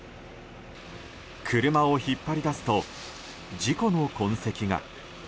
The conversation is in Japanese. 車を引っ張り出すと事故の痕跡が。